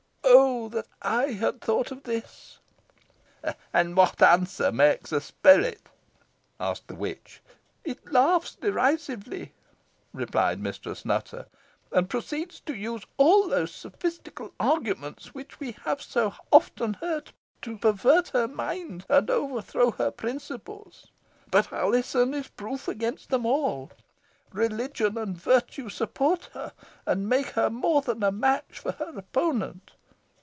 Oh! that I had thought of this." "And what answer makes the spirit?" asked the witch. "It laughs derisively," replied Mistress Nutter; "and proceeds to use all those sophistical arguments, which we have so often heard, to pervert her mind, and overthrow her principles. But Alizon is proof against them all. Religion and virtue support her, and make her more than a match for her opponent.